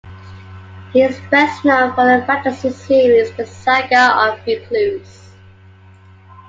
He is best known for the fantasy series "The Saga of Recluce".